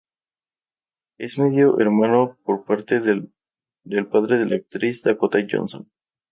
Es medio-hermano por parte de padre de la actriz Dakota Johnson.